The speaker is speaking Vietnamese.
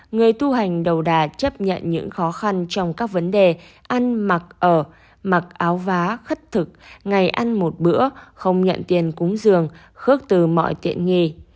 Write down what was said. người tu hành đầu đà chấp nhận những khó khăn trong các vấn đề ăn mặc ở mặc áo vá khất thực ngày ăn một bữa không nhận tiền cúng giường khớp từ mọi tiện nghi